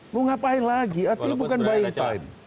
mengapain lagi artinya bukan baik baik